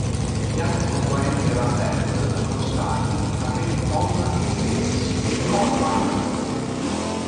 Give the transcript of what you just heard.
Gli altri componenti della band sono stati i fratelli Tom e Chris Gorman.